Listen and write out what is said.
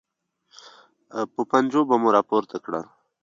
په پنجو به مو راپورته کړل.